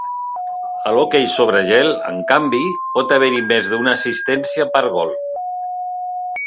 A l'hoquei sobre gel, en canvi, pot haver-hi més d'una assistència per gol.